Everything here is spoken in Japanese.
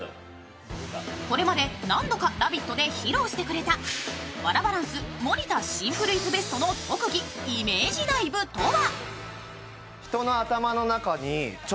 これまで何度か「ラヴィット！」で披露してくれたワラバランス盛田シンプルイズベストのイメージダイブとは？